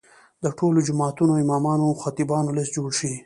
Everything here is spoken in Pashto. د ټولو جوماتونو امامانو او خطیبانو لست جوړ شي.